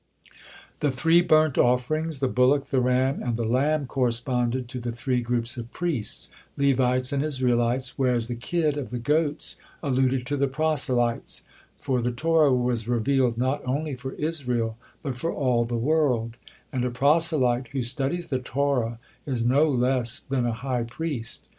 The three burnt offerings, the bullock, the ram, and the lamb corresponded to the three groups of priests, Levites and Israelites, whereas the kid of the goats alluded to the proselytes, for the Torah was revealed not only for Israel but for all the world; and "a proselyte who studies the Torah is no less than a high priest."